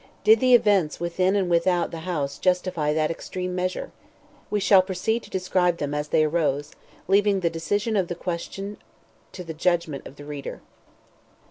Did the events within and without the House justify that extreme measure? We shall proceed to describe them as they arose, leaving the decision of the question to the judgment of the reader.